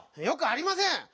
よくありません！